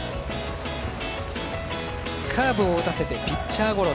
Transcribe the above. カーブを打たせてピッチャーゴロ。